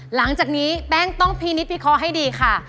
หลังจากนี้แป้งต้องพีนิดพี่คอให้ดีค่ะ